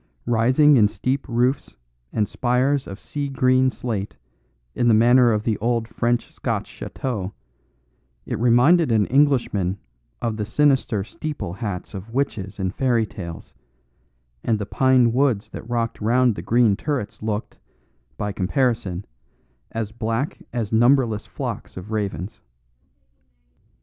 Rising in steep roofs and spires of seagreen slate in the manner of the old French Scotch chateaux, it reminded an Englishman of the sinister steeple hats of witches in fairy tales; and the pine woods that rocked round the green turrets looked, by comparison, as black as numberless flocks of ravens.